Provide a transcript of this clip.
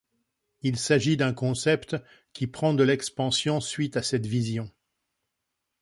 Il s’agit d’un concept qui prend de l’expansion suite à cette vision.